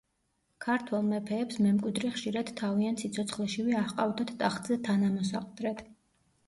ქართველ მეფეებს მემკვიდრე ხშირად თავიანთ სიცოცხლეშივე აჰყავდათ ტახტზე „თანამოსაყდრედ“.